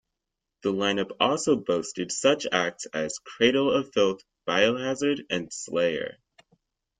The line-up also boasted such acts as Cradle of Filth, Biohazard and Slayer.